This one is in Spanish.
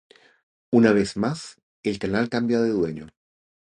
Una vez más, el canal cambia de dueño.